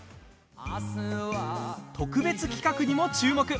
特別企画にも注目。